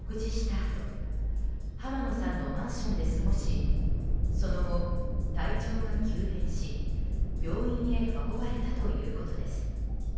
あと浜野さんのマンションで過ごしその後、体調が急変し病院へ運ばれたということです。